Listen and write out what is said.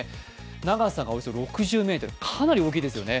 長さがおよそ６０ｍかなり大きいですよね。